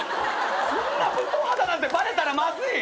こんな武闘派だなんてバレたらまずい。